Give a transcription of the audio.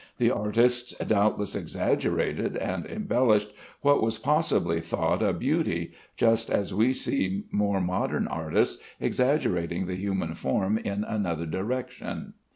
The artists doubtless exaggerated and embellished what was possibly thought a beauty, just as we see more modern artists exaggerating the human form in another direction.